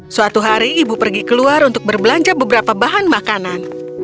suatu hari ibu pergi keluar untuk berbelanja beberapa bahan makanan